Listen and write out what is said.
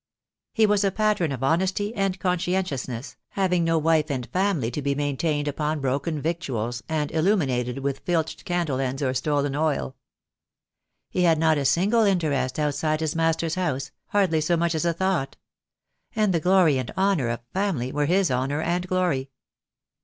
He was a pattern of honesty and conscientiousness, having no wife and family to be maintained upon broken victuals and illuminated with filched candle ends or stolen oil. He had not a single interest outside his master's house, hardly so much as a thought; and the glory and honour of "family" were his honour and glory.